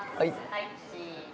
はいチーズ。